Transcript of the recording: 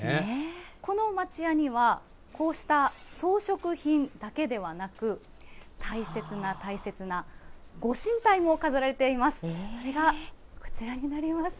この町家には、こうした装飾品だけではなく、大切な大切な御神体も飾られています。